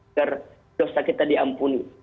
agar dosa kita diampuni